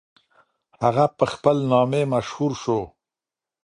هغه په خپل نامې مشهور سو.